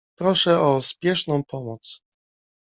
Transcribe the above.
Proszą o spieszną pomoc.